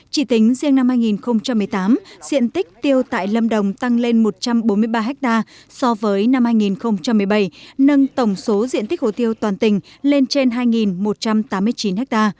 chỉ tính riêng năm hai nghìn một mươi tám diện tích tiêu tại lâm đồng tăng lên một trăm bốn mươi ba ha so với năm hai nghìn một mươi bảy nâng tổng số diện tích hồ tiêu toàn tỉnh lên trên hai một trăm tám mươi chín ha